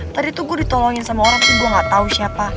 tadi tuh gue ditolongin sama orang tuh gue gak tau siapa